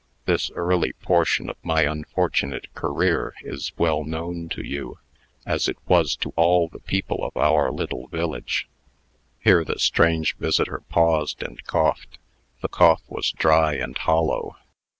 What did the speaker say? This early portion of my unfortunate career is well known to you, as it was to all the people of our little village." Here the strange visitor paused, and coughed. The cough was dry and hollow.